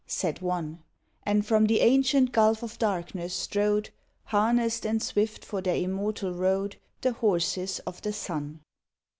said One. And from the ancient gulf of darkness strode. Harnessed and swift for their immortal road, The horses of the sun.